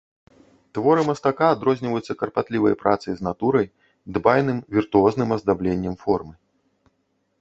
Творы мастака адрозніваюцца карпатлівай працай з натурай, дбайным, віртуозным аздабленнем формы.